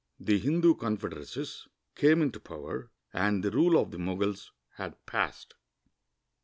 The Hindu confederacies came into power, and the rule of the ]\Ioguls had passed.